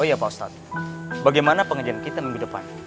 oh ya pak ustadz bagaimana pengajian kita minggu depan